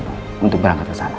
untuk berangkat ke sana